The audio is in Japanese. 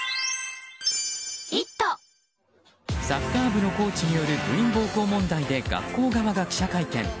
サッカー部のコーチによる部員暴行問題で学校側が記者会見。